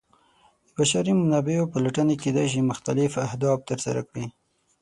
د بشري منابعو پلټنې کیدای شي مختلف اهداف ترسره کړي.